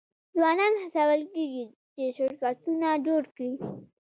ځوانان هڅول کیږي چې شرکتونه جوړ کړي.